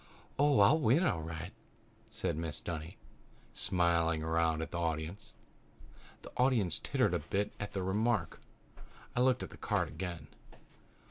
"Oh, I'll win all right," said Mrs. Dunny, smiling around at the audience. The audience tittered a bit at the remark. I looked at the card again.